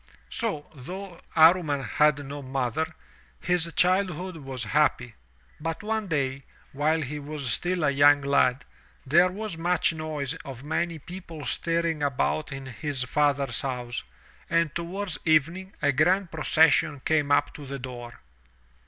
So, though Amman had no mother, his childhood was happy. But one day, while he was still a young lad, there was much noise of many people stirring about in his father's house, and to ward*s evening a grand procession came up to the door.